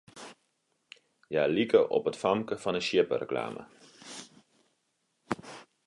Hja like op it famke fan 'e sjippereklame.